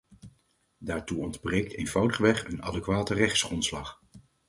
Daartoe ontbreekt eenvoudigweg een adequate rechtsgrondslag.